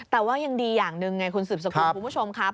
แต่ว่ายังดีอย่างหนึ่งไงคุณสืบสกุลคุณผู้ชมครับ